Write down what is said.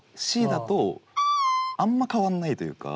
Ｃだとあんま変わんないというか。